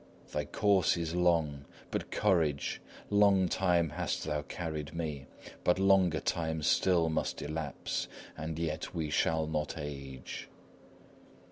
Thy course is long, but courage! Long time hast thou carried me: but longer time still must elapse, and yet we shall not age.